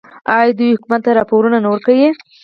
آیا دوی حکومت ته راپورونه نه ورکوي؟